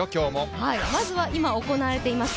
まずは今行われています